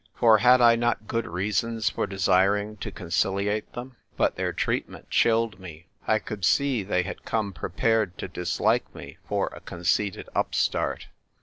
For had 1 not good reasons for desiring to conciliate them ? But their treatment chilled me. I could see they had come prepared to dislike me for a conceited upstart.